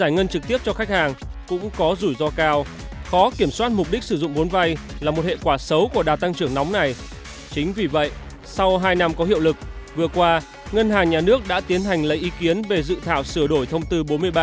hai năm có hiệu lực vừa qua ngân hàng nhà nước đã tiến hành lấy ý kiến về dự thảo sửa đổi thông tư bốn mươi ba